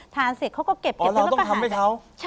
ทานเสร็จเค้าก็เก็บอ๋อเราต้องทำให้เค้า